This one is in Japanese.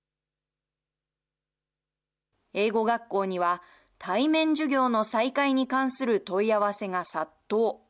英語学校には、対面授業の再開に関する問い合わせが殺到。